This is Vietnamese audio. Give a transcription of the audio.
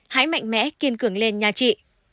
hãy mạnh mẽ kiên cường lên nha chị